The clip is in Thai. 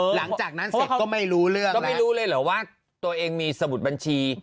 หลังจากนั้นเสร็จก็ไม่รู้เรื่องก็ไม่รู้เลยเหรอว่าตัวเองมีสมุดบัญชี